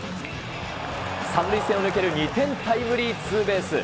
３塁線を抜ける２点タイムリーツーベース。